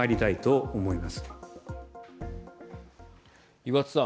岩田さん。